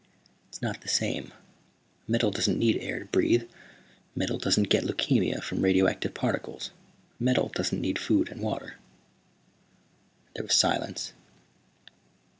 "It's not the same. Metal doesn't need air to breathe. Metal doesn't get leukemia from radioactive particles. Metal doesn't need food and water." There was silence.